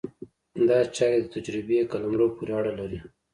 دا چارې د تجربې قلمرو پورې اړه لري.